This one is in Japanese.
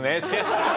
アハハハ。